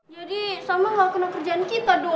jadi soma gak kena kerjaan kita dong